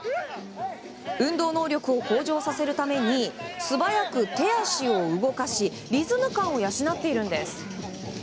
運動能力を向上させるために素早く手足を動かしリズム感を養っているんです。